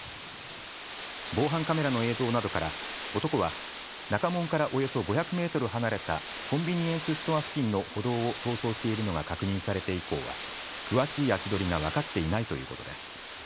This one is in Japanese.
防犯カメラの映像などから男は中門からおよそ５００メートル離れたコンビニエンスストア付近の歩道を逃走しているのが確認されて以降は詳しい足取りが分かっていないということです。